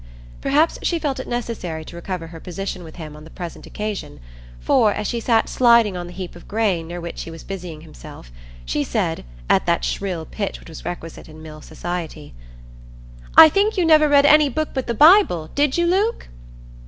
Perhaps she felt it necessary to recover her position with him on the present occasion for, as she sat sliding on the heap of grain near which he was busying himself, she said, at that shrill pitch which was requisite in mill society,— "I think you never read any book but the Bible, did you, Luke?"